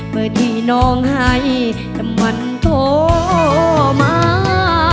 เมื่อที่น้องให้น้ำมันโทรมา